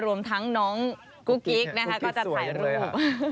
รวมทั้งน้องกุ๊กกิ๊กนะคะก็จะถ่ายรูป